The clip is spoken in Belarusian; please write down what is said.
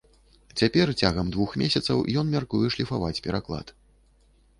Цяпер цягам двух месяцаў ён мяркуе шліфаваць пераклад.